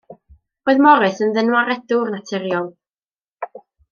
Roedd Morris yn ddynwaredwr naturiol.